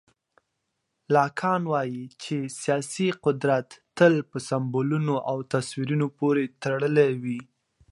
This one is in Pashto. لاکان وایي چې سیاسي قدرت تل په سمبولونو او تصویرونو پورې تړلی وي.